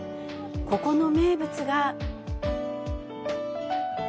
ここの名物が。